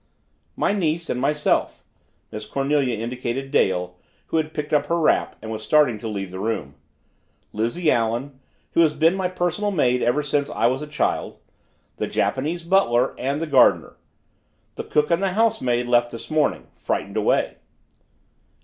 "My niece and myself." Miss Cornelia indicated Dale, who had picked up her wrap and was starting to leave the room. "Lizzie Allen who has been my personal maid ever since I was a child the Japanese butler, and the gardener. The cook and the housemaid left this morning frightened away."